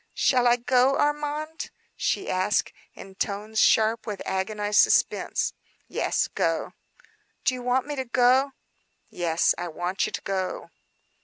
"Shall I go, Armand?" she asked in tones sharp with agonized suspense. "Yes, go." "Do you want me to go?" "Yes, I want you to go."